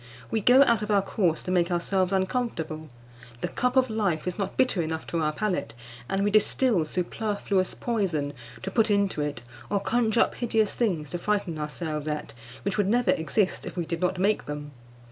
We go out of our course to make ourselves uncomfortable; the cup of life is not bitter enough to our palate, and we distil superfluous poison to put into it, or conjure up hideous things to frighten ourselves at, which would never exist if we did not make them.